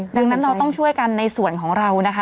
ดังนั้นเราต้องช่วยกันในส่วนของเรานะคะ